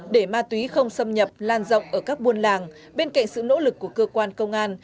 để ma túy không xâm nhập lan rộng ở các buôn làng bên cạnh sự nỗ lực của cơ quan công an